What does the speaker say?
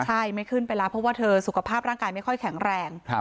ใช่ไม่ขึ้นไปแล้วเพราะว่าเธอสุขภาพร่างกายไม่ค่อยแข็งแรง